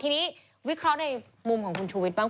ทีนี้วิเคราะห์ในมุมของคุณชูวิทย์บ้าง